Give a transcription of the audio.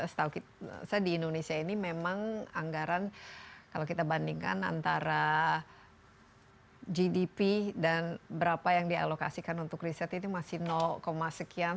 setahu saya di indonesia ini memang anggaran kalau kita bandingkan antara gdp dan berapa yang dialokasikan untuk riset itu masih sekian